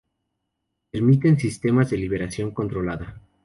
Permiten sistemas de liberación controlada.